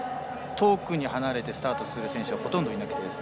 遠くに離れてスタートする選手はほとんどいなくて。